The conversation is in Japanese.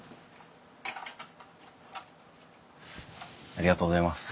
ありがとうございます。